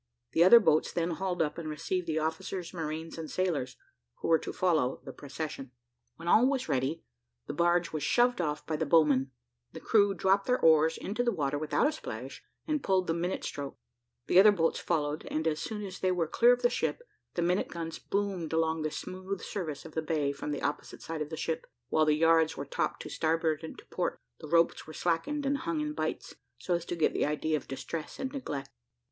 The other boats then hauled up, and received the officers, marines, and sailors, who were to follow the procession. When all was ready, the barge was shoved off by the bow men, the crew dropped their oars into the water without a splash, and pulled the minute stroke; the other boats followed, and as soon as they were clear of the ship, the minute guns boomed along the smooth service of the bay from the opposite side of the ship, while the yards were topped to starboard and to port, the ropes were slackened and hung in bights, so as to give the idea of distress and neglect.